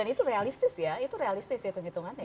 itu realistis ya itu realistis ya hitung hitungannya kan